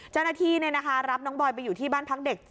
เจ้าหน้าที่รับน้องบอยไปอยู่ที่บ้านพักเด็ก